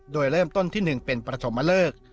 โดยเริ่มต้นที่๑เป็นประชมเลิก